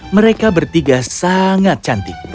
mereka bertiga sangat cantik